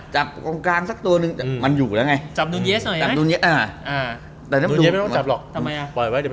จับหวันนื้อเยอะไหม